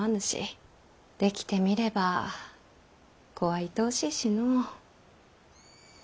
できてみれば子はいとおしいしの。